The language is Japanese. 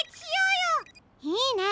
いいね！